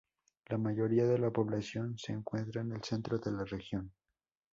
La mayoría de la población se encuentra en el centro de la región.